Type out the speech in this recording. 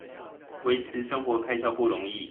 維持生活開銷不容易